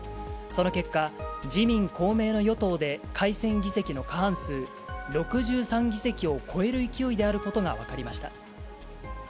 その結果、自民、公明の与党で改選議席の過半数６３議席を超える勢いであることが分かりました。